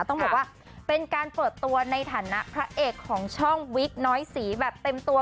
ต้องบอกว่าเป็นการเปิดตัวในฐานะพระเอกของช่องวิกน้อยสีแบบเต็มตัว